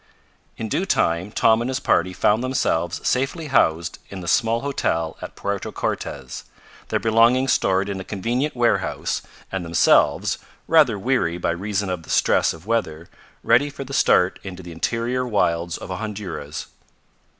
In due time Tom and his party found themselves safely housed in the small hotel at Puerto Cortes, their belongings stored in a convenient warehouse and themselves, rather weary by reason of the stress of weather, ready for the start into the interior wilds of Honduras.